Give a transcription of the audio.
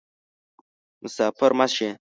مسافر مه شي